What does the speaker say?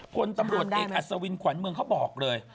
คนตำรวจเอกอัศวินขวัญเมืองเขาบอกเลย